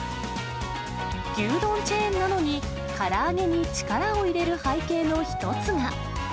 牛丼チェーンなのに、から揚げに力を入れる背景の一つが。